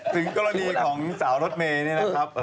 ถึงกรณีของสาวรถเมย์นี่นะครับ